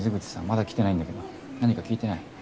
まだ来てないんだけど何か聞いてない？